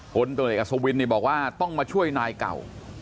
ผลตรวจเอกอัศวินบอกว่าต้องมาช่วยนายเก่า